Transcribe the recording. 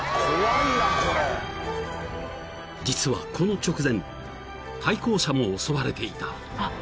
［実はこの直前対向車も襲われていた］